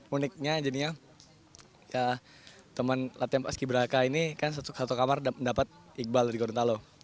uniknya jadinya teman latihan pak ski braka ini kan satu kamar dapat iqbal di gorontalo